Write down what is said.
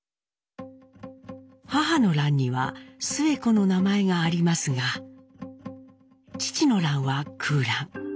母の欄には「スエ子」の名前がありますが父の欄は空欄。